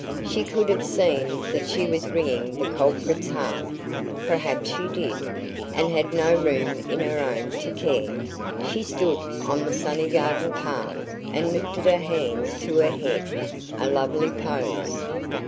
She could have seen that she was wringing the culprit's heart. Perhaps she did, and had no room in her own to care. She stood on the sunny garden path and lifted her hands to her head a lovely pose.